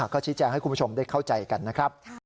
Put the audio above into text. ก็ชี้แจงให้คุณผู้ชมได้เข้าใจกันนะครับ